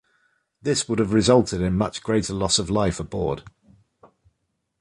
This would have resulted in much greater loss of life aboard.